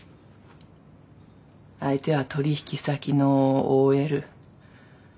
相手は取引先のＯＬ。